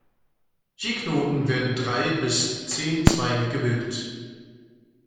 Je Knoten werden drei bis zehn Zweige gebildet.